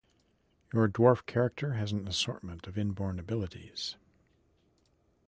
Your dwarf character has an assortment of inborn abilities.